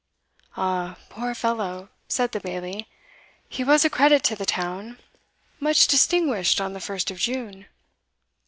"Ah, poor fellow!" said the bailie, "he was a credit to the town much distinguished on the first of June."